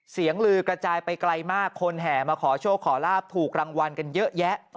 ลือกระจายไปไกลมากคนแห่มาขอโชคขอลาบถูกรางวัลกันเยอะแยะ